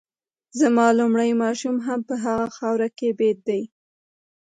زما لومړی ماشوم هم په هغه خاوره کي بیده دی